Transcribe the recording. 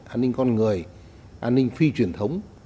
an ninh con người an ninh phi truyền thống